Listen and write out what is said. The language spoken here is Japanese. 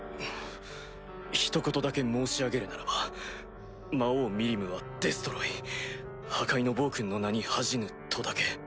ひと言だけ申し上げるならば魔王ミリムはデストロイ破壊の暴君の名に恥じぬとだけ。